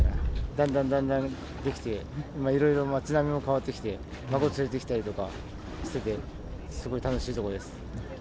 だんだんだんだん出来て、いろいろ街並みも変わってきて、孫連れてきたりとかしてて、すごい楽しい所です。